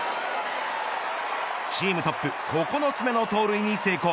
チームトップ９つ目の盗塁に成功。